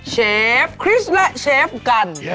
เชฟคริสต์และเชฟกัน